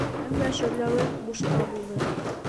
Әммә шөрләүе бушҡа булды.